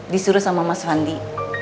disuruh sama mas vandi